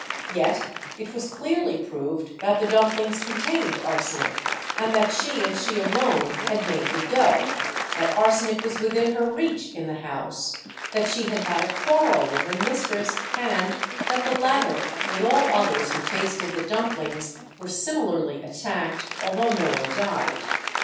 Yet it was clearly proved that the dumplings contained arsenic, that she, and she alone, had made the dough, that arsenic was within her reach in the house, that she had had a quarrel with her mistress, and that the latter with all others who tasted the dumplings were similarly attacked, although no one died.